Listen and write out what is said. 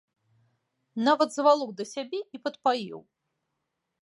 Нават завалок да сябе і падпаіў.